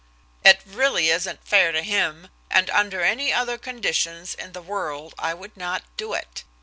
"It really isn't fair to him, and under any other conditions in the world I would not do it.